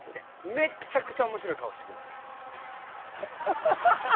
めっちゃくちゃ面白い顔してください。